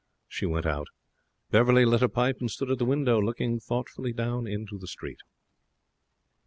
She went out. Beverley lit a pipe and stood at the window looking thoughtfully down into the street.